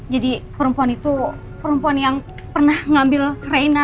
jadi perempuan itu perempuan yang pernah ngambil reina